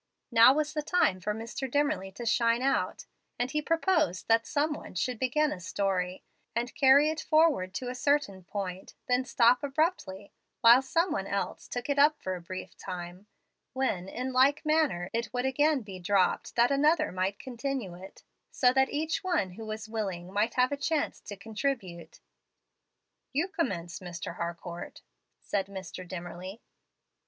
Now was the time for Mr. Dimmerly to shine out; and he proposed that some one should begin a story, and carry it forward to a certain point, then stop abruptly, while some one else took it up for a brief time, when, in like manner, it would again be dropped that another might continue it, so that each one who was willing might have a chance to contribute. "You commence, Mr. Harcourt," said Mr. Dimmerly.